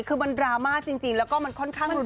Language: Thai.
คือมันดราม่าจริงแล้วก็มันค่อนข้างรุน